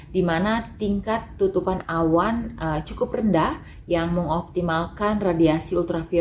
dimana tingkat tutupan awan cukup rendah yang mengoptimalkan radiasi ultraviolet